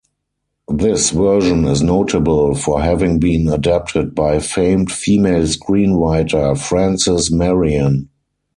This version is notable for having been adapted by famed female screenwriter Frances Marion.